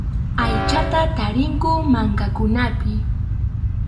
Aychata tarinku mankakunapi.